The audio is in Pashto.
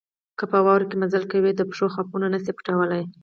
که په واوره کې مزل کوئ د پښو خاپونه نه شئ پټولای.